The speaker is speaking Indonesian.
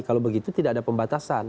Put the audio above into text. kalau begitu tidak ada pembatasan